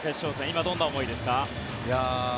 今、どんな思いですか。